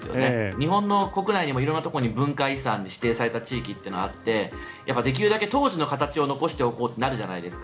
日本の国内でも色んなところに文化遺産に指定された地域ってあってやっぱりできるだけ当時の形を残しておこうとなるじゃないですか。